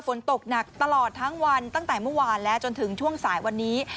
ฝนตกหนักตลอดทั้งวันตั้งแต่เมื่อวานแล้วจนถึงช่วงสายวันนี้